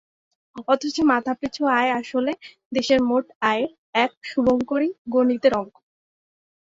অথচ মাথাপিছু আয় আসলে দেশের মোট আয়ের এক শুভংকরী গণিতের অঙ্ক।